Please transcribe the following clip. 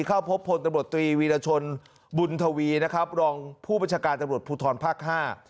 เข้าพบพลตำรวจตรีวีรชนบุญทวีนะครับรองผู้บัญชาการตำรวจภูทรภาคห้า